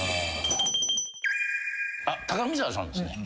高見沢さんですね。